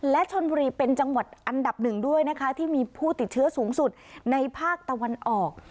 และชนบุรีเป็นจังหวัดอันดับหนึ่งด้วยนะคะที่มีผู้ติดเชื้อสูงสุดในภาคตะวันออก